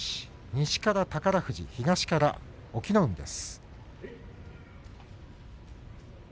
西から宝富士、東から隠岐の海です。